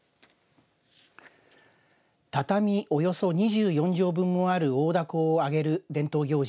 畳およそ２４畳分もある大だこを揚げる伝統行事